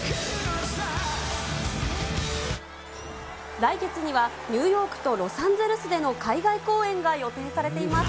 来月にはニューヨークとロサンゼルスでの海外公演が予定されています。